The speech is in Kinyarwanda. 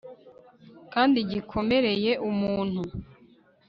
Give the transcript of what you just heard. kandi gikomereye umuntu